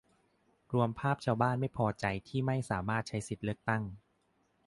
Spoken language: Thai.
รวบภาพชาวบ้านไม่พอใจที่ไม่สามารถใช้สิทธิเลือกตั้ง